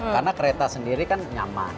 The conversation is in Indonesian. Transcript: karena kereta sendiri kan nyaman